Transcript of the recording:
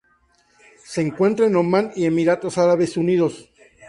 Se encuentra en Omán y Emiratos Árabes Unidos.